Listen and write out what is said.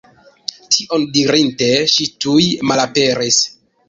Tion dirinte ŝi tuj malaperis.